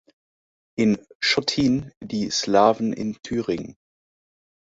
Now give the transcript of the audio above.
In "Schottin: Die Slawen in Thüringen.